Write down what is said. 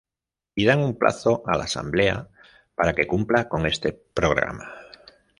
Y dan un plazo a la Asamblea para que cumpla con este programa.